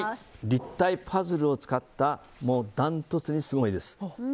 立体パズルを使ったダントツにすごいです。